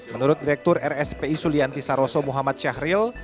menurut direktur rspi sulianti saroso muhammad syahril